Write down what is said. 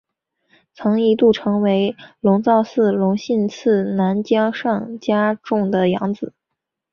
曾一度成为龙造寺隆信次男江上家种的养子。